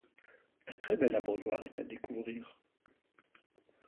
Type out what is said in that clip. Un très bel abreuvoir est à découvrir.